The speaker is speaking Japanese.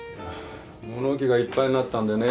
物置がいっぱいになったんでね